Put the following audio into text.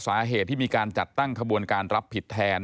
สาเหตุที่มีการจัดตั้งขบวนการรับผิดแทน